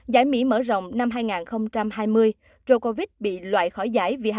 giải mỹ mở rộng năm hai nghìn hai mươi djokovic bị loại khỏi giải